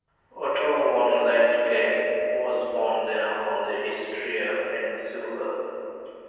Otto von Leitgeb was born there, on the Istria peninsula.